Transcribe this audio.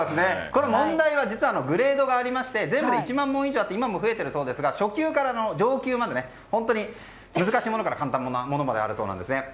これ、問題は実はグレードがあって全部で１万問以上あって今も増えているそうですが初級から上級まで本当に難しいものから簡単なものまであるそうです。